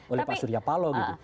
oleh pak surya palo gitu